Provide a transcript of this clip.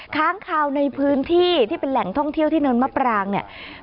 ค้างคาวในพื้นที่ที่เป็นแหล่งท่องเที่ยวที่เนินมะปรางเนี่ย